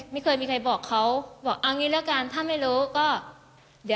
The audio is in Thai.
ไม่เคยมีใครบอกเขาบอกเอางี้แล้วกันถ้าไม่รู้